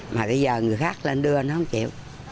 mà bây giờ người khác lên đưa nó chịu